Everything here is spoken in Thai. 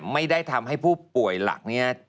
ไม่ได้ทำให้ผู้ป่วยหลักเนี่ย